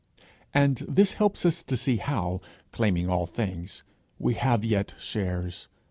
And this helps us to see how, claiming all things, we have yet shares.